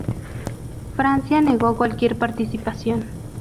Francia negó cualquier participación.